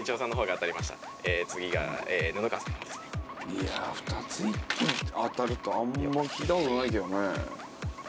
いや２つ一気に当たるとはあんま聞いた事ないけどね。